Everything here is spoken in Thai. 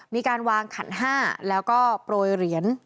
มีการวางขันห้าแล้วก็โปรยเหรียญ